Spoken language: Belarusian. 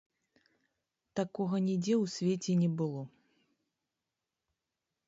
Такога нідзе ў свеце не было!